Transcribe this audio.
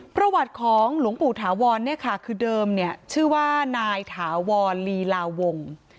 ประวัติของหลวงปู่ถาวรคือเดิมชื่อว่านายถาวรรีลาวง